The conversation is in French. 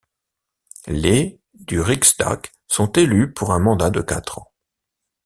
Les du Riksdag sont élus pour un mandat de quatre ans.